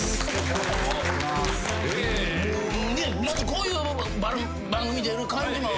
こういう番組出る感じも。